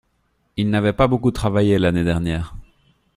Il n’avait pas beaucoup travaillé l’année dernière.